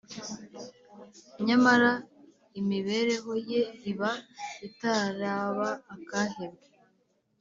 nyamara imibereho ye iba itaraba akahebwe